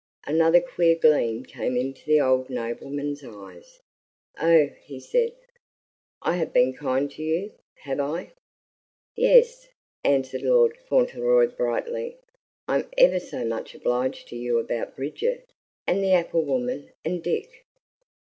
Another queer gleam came into the old nobleman's eyes. "Oh!" he said, "I have been kind to you, have I?" "Yes," answered Lord Fauntleroy brightly; "I'm ever so much obliged to you about Bridget, and the apple woman, and Dick."